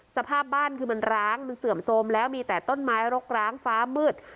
สภาพบ้านคือมันร้างมันเสื่อมโทรมแล้วมีแต่ต้นไม้รกร้างฟ้ามืด